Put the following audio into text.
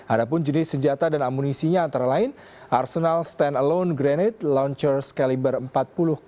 ada pun jenis senjata dan amunisinya antara lain arsenal standalone grenade launcher skaliber empat puluh x empat puluh enam mm sebanyak dua puluh delapan pucuk